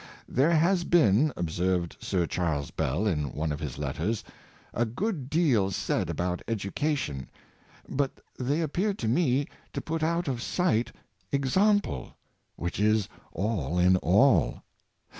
" There has been," observed Sir Charles Bell in one of his letters, " a good deal said about education, but they appear to me to put out of sight example^ which is all in all.